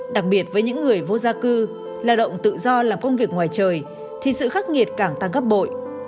đặc biệt với những người vô gia cư lao động tự do làm công việc ngoài trời thì sự khắc nghiệt càng tăng gấp bội